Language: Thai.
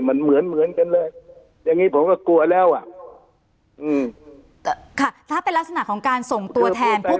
มันเหมือนเหมือนกันเลยอย่างงี้ผมก็กลัวแล้วอ่ะอืมค่ะถ้าเป็นลักษณะของการส่งตัวแทนปุ๊บ